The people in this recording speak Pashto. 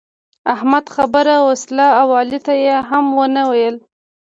احمد خبره وسهله او علي ته يې هيڅ و نه ويل.